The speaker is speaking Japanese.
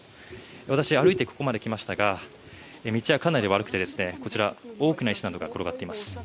私、歩いてここまで来ましたが道はかなり悪くてこちら、多くの石などが転がっています。